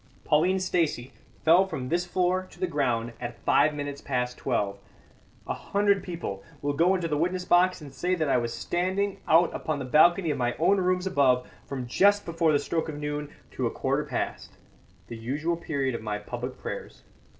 Pauline Stacey fell from this floor to the ground at five minutes past twelve. A hundred people will go into the witness box and say that I was standing out upon the balcony of my own rooms above from just before the stroke of noon to a quarter past the usual period of my public prayers.